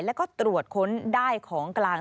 แล้วก็ตรวจค้นได้ของกลาง